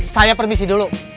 saya permisi dulu